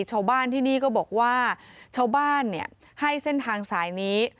ชาวบ้านที่นี่ก็บอกว่าชาวบ้านให้เส้นทางสายนี้